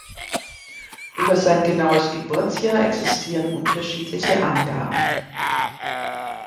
Über sein genaues Geburtsjahr existieren unterschiedliche Angaben.